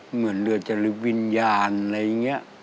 เหมือนเรือจริตวิญญาณอะไรอย่างนี้